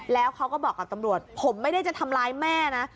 แล้วเขาก็บอกกับตำรวจผมไม่ได้จะทำร้ายแม่นะ